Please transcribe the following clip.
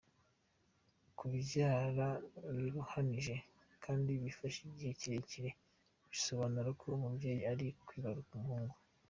Kubyara biruhanije kandi bifashe igihe kirekire, bisobanura ko umubyeyi ari bwibaruke umuhungu.